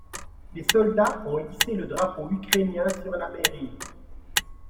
Les soldats ont hissé le drapeau ukrainien sur la Mairie.